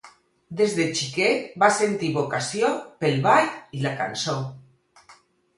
Des de xiquet va sentir vocació pel ball i la cançó.